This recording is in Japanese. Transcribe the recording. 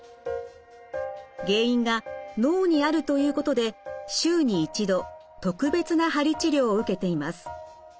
原因が脳にあるということで週に１度特別な鍼治療を受けています。